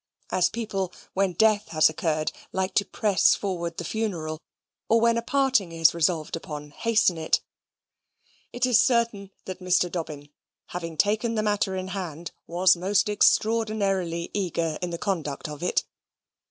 as people, when death has occurred, like to press forward the funeral, or when a parting is resolved upon, hasten it. It is certain that Mr. Dobbin, having taken the matter in hand, was most extraordinarily eager in the conduct of it.